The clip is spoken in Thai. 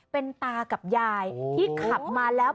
เป็นตากับยายที่ขับมาแล้ว